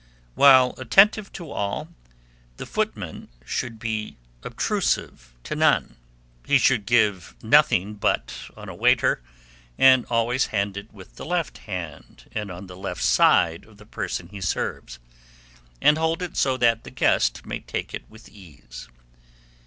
While attentive to all, the footman should be obtrusive to none; he should give nothing but on a waiter, and always hand it with the left hand and on the left side of the person he serves, and hold it so that the guest may take it with ease.